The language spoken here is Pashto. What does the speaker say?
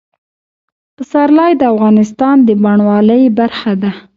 پسرلی د افغانستان د بڼوالۍ برخه ده.